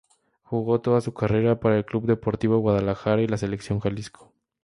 Jugó toda su carrera para el Club Deportivo Guadalajara y la Selección Jalisco.